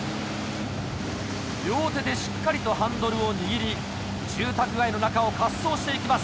両手でしっかりとハンドルを握り住宅街の中を滑走していきます